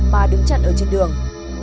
mà đứng chặn ở trên đường